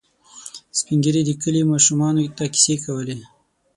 سپين ږیري د کلي ماشومانو ته کیسې کولې.